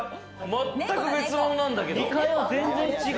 まったく別物なんだけど。